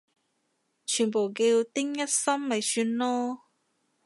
全部叫丁一心咪算囉